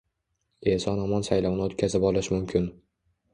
eson-omon saylovni o‘tkazib olish mumkin